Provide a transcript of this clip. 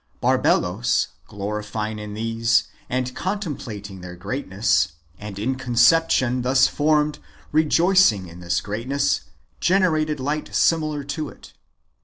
Barbelos, glorying in these, and contemplating their great ness, and in the conception^ [thus formed], rejoicing in this greatness, generated light similar to it.